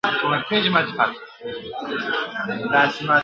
یو تعویذ درڅخه غواړمه غښتلی !.